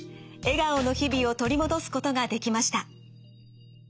笑顔の日々を取り戻すことができました。